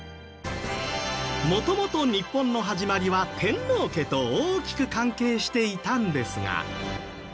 元々日本の始まりは天皇家と大きく関係していたんですが。